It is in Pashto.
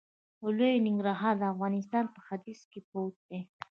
لوی ننګرهار د افغانستان په ختیځ کې پروت دی.